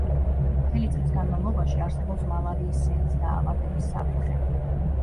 მთელი წლის განმავლობაში არსებობს მალარიის სენით დაავადების საფრთხე.